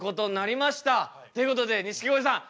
大成功！ということで錦鯉さん